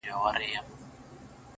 سري وخت دی _ ځان له دغه ښاره باسه _